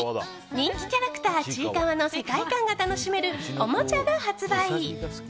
人気キャラクター、ちいかわの世界観が楽しめるおもちゃが発売。